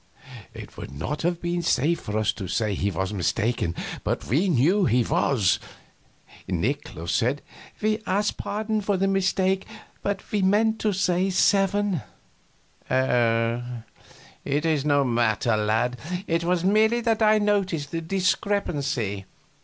It would not have been safe for us to say he was mistaken, but we knew he was. Nikolaus said, "We ask pardon for the mistake, but we meant to say seven." "Oh, it is no matter, lad; it was merely that I noticed the discrepancy.